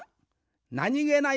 なにげない